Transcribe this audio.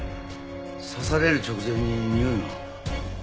刺される直前ににおいが。